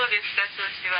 調子は。